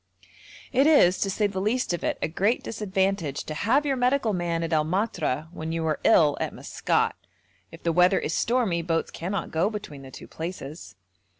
It is, to say the least of it, a great disadvantage to have your medical man at El Matra when you are ill at Maskat; if the weather is stormy boats cannot go between the two places.